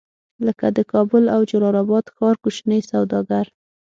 لکه د کابل او جلال اباد ښار کوچني سوداګر.